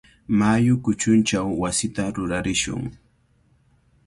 Mayu kuchunchaw wasita rurarishun.